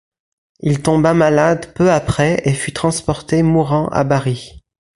Il tomba malade peu après et fut transporté mourant à Bari.